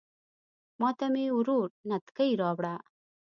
ماته مې ورور نتکۍ راوړه